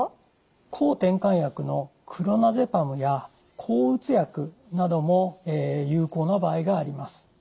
抗てんかん薬のクロナゼパムや抗うつ薬なども有効な場合があります。